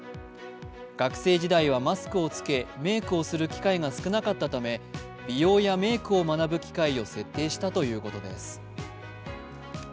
学生時代はマスクを着けメークをする機会が少なかったため、美容やメークを学ぶ機会を設定したということです。